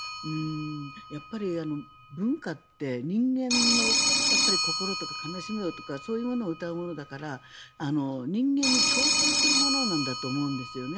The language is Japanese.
やっぱり文化って人間の心とか悲しみとかそういうものを歌うものだから人間に共通するものなんだと思うんですよね。